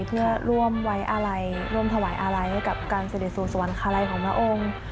เพื่อร่วมไว้อาลัยร่วมถวายอาลัยให้กับการเสด็จสู่สวรรคาลัยของพระองค์